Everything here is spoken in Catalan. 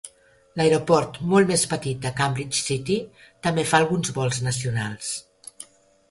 L'aeroport molt més petit de Cambridge City també fa alguns vols nacionals.